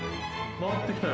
回ってきたよ。